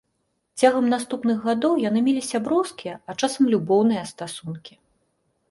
Цягам наступных гадоў яны мелі сяброўскія, а часам любоўныя стасункі.